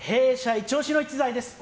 イチ押しの逸材です。